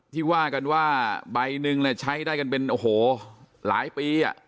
ที่ว่ากันว่าใบหนึ่งใช้ได้กันเป็นโอ้โหหลายปี